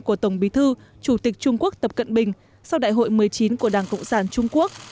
của tổng bí thư chủ tịch trung quốc tập cận bình sau đại hội một mươi chín của đảng cộng sản trung quốc